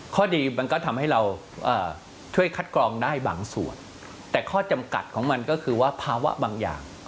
ข้อดีมันก็ทำให้เราช่วยคัดกรองได้บางส่วนแต่ข้อจำกัดของมันก็คือว่าภาวะบางอย่าง